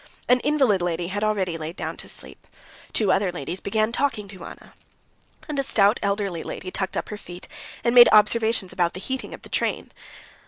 An invalid lady had already lain down to sleep. Two other ladies began talking to Anna, and a stout elderly lady tucked up her feet, and made observations about the heating of the train.